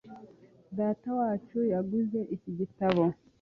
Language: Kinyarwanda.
Datawacu yanguze iki gitabo .